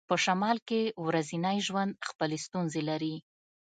په شمال کې ورځنی ژوند خپلې ستونزې لري